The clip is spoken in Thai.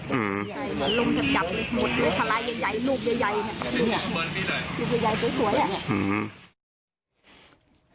หลับเสร็จแล้วก็ไปหลุมจับหมดเลยขลายใหญ่ลูบใหญ่สวย